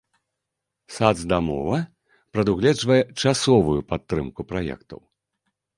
Сацдамова прадугледжвае часовую падтрымку праектаў.